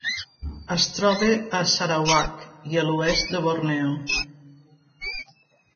Es troba a Sarawak i a l'oest de Borneo.